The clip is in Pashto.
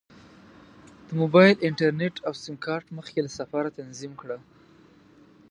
د موبایل انټرنیټ او سیم کارت مخکې له سفره تنظیم کړه.